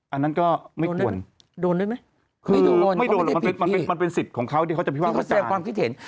อันนั้นก็ไม่ควรคือไม่โดนหรอกมันเป็นสิทธิ์ของเขาที่เขาจะพิว่าว่าการ